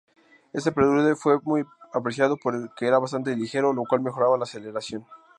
Este prelude fue muy apreciado porque era bastante ligero, lo cual mejoraba la aceleración.